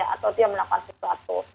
atau dia mendapatkan situasi